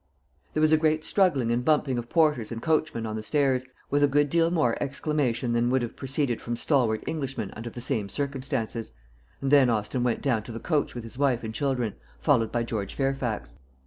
There was a great struggling and bumping of porters and coachman on the stairs, with a good deal more exclamation than would have proceeded from stalwart Englishmen under the same circumstances; and then Austin went down to the coach with his wife and children, followed by George Fairfax.